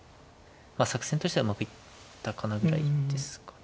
作戦としてはうまくいったかなぐらいですかね。